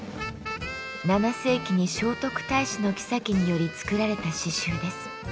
７世紀に聖徳太子の后により作られた刺繍です。